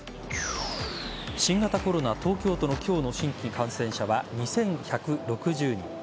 新型コロナ東京都の今日の新規感染者は２１６０人。